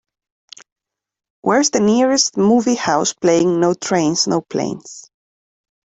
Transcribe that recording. where's the nearest movie house playing No Trains No Planes